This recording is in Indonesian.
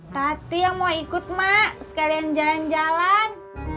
tapi yang mau ikut mak sekalian jalan jalan